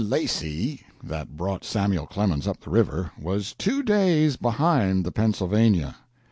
Lacy," that brought Samuel Clemens up the river, was two days behind the "Pennsylvania."